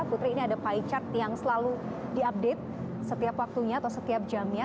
putri ini ada pie chart yang selalu diupdate setiap waktunya atau setiap jamnya